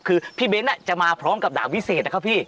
คือพี่เบ้นจะมาพร้อมกับดาบวิเศษนะครับพี่